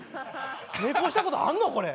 成功したことあんの、これ？